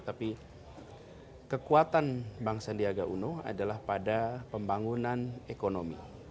tapi kekuatan bang sandiaga uno adalah pada pembangunan ekonomi